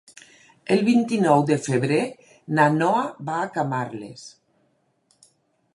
El vint-i-nou de febrer na Noa va a Camarles.